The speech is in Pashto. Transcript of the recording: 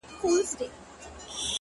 ته مي د ښكلي يار تصوير پر مخ گنډلی;